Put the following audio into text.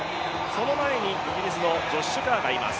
その前にイギリスのジョッシュ・カーがいます。